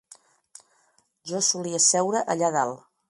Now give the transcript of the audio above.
Jo solia seure allà dalt